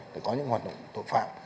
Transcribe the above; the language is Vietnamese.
để có những hoạt động tội phạm